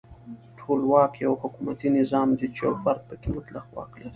ټولواک یو حکومتي نظام دی چې یو فرد پکې مطلق واک لري.